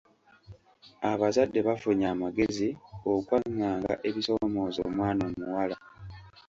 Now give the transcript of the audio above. Abazadde bafunye amagezi okwanganga ebisoomooza omwana omuwala.